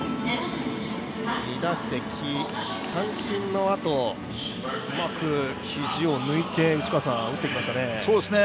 ２打席、三振のあと、うまく肘を抜いて打ってきましたね。